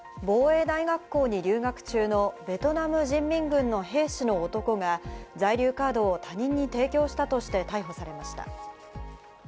防衛大学校に留学中のベトナム人民軍兵士の男が在留カードを他人に提供したとして逮捕されました。